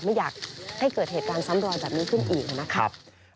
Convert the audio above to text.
ไม่อยากให้เกิดเหตุการณ์ซ้ำรอยแบบนี้ขึ้นอีกนะครับ